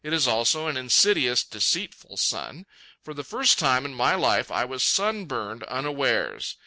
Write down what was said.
It is also an insidious, deceitful sun. For the first time in my life I was sunburned unawares.